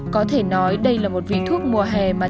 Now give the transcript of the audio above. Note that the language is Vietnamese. có thể nói đây là một vị thuốc mùa hè mà thiên nhiên yêu đại nhất